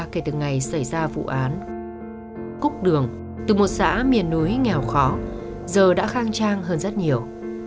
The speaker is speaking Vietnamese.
kể từ ngày xảy ra vụ án cúc đường từ một xã miền núi nghèo khó giờ đã khang trang hơn rất nhiều